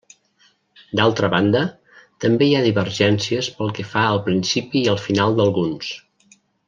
D'altra banda, també hi ha divergències pel que fa al principi i al final d'alguns.